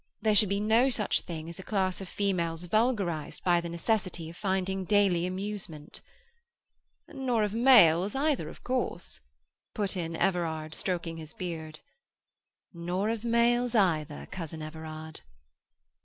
There should be no such thing as a class of females vulgarized by the necessity of finding daily amusement." "Nor of males either, of course," put in Everard, stroking his beard. "Nor of males either, cousin Everard."